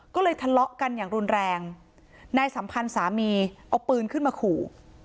ก็เลยทะเลาะกันอย่างรุนแรงนายสัมพันธ์สามีเอาปืนขึ้นมาขู่